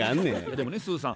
でもねスーさん。